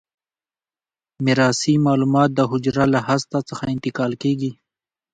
میراثي معلومات د حجره له هسته څخه انتقال کیږي.